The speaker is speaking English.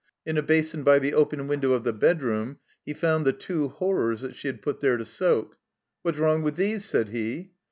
In a basin by the open window of the bedroom he found the two horrors that she had put there to soak. "What's wrong with these?" said he.